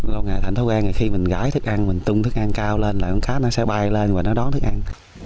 lâu ngày thành thói quen là khi mình gãi thức ăn mình tung thức ăn cao lên là con cá nó sẽ bay lên và nó đón thức ăn